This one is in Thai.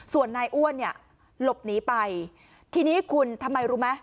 ส่วนนายอ้วนเนี่ยหลบหนีไปทีนี้คุณทำไมรู้ไหม